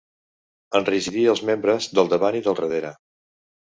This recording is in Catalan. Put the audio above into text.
Enrigidí els membres, del davant i del darrere.